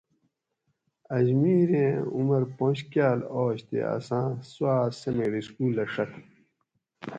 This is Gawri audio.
اجمیریں عمر پنج کاۤل آش تے اساۤں سوا سمیٹ سکولہ ڛت